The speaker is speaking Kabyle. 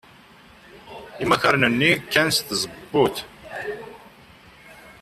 Imakaren-nni kkan seg tzewwut.